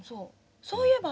そういえばさ